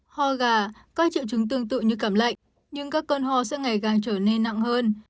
hò gà các triệu trứng tương tự như cảm lạnh nhưng các cơn hò sẽ ngày càng trở nên nặng hơn